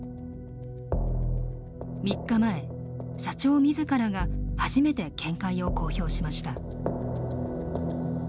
３日前、社長みずからが初めて見解を公表しました。